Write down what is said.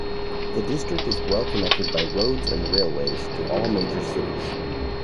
The district is well connected by roads and railways to all major cities.